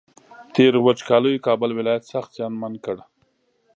تېرو وچکالیو کابل ولایت سخت زیانمن کړ